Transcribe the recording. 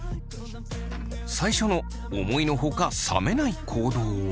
最初の思いのほか冷めない行動は。